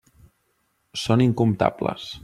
Són incomptables.